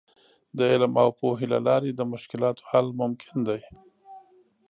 د علم او پوهې له لارې د مشکلاتو حل ممکن دی.